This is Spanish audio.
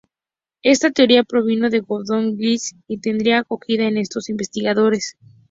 Esta teoría provino de Gordon Childe y tendría acogida en otros investigadores.